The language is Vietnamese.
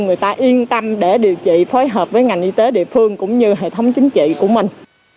người ta yên tâm để điều trị phối hợp với ngành y tế địa phương cũng như hệ thống chính trị của mình